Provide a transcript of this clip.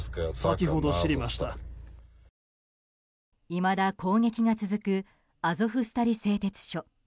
いまだ攻撃が続くアゾフスタリ製鉄所。